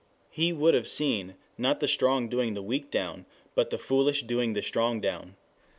He would have seen, not the strong doing the weak down, but the foolish doing the strong down.